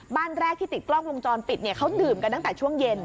บ้านแรกที่ติดกล้องวงจรปิดเนี่ยเขาดื่มกันตั้งแต่ช่วงเย็น